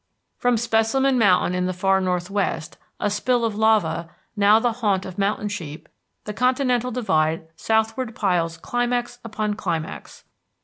From Specimen Mountain in the far northwest, a spill of lava, now the haunt of mountain sheep, the continental divide southward piles climax upon climax.